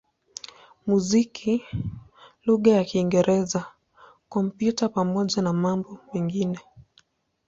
muziki lugha ya Kiingereza, Kompyuta pamoja na mambo mengine.